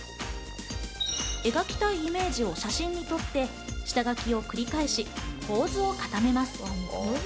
描きたいイメージを写真に撮って下書きを繰り返し、構図を固めます。